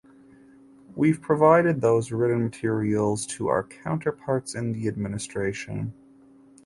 We’ve provided those written materials to our counterparts in the administration.